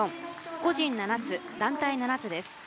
個人７つ、団体７つです。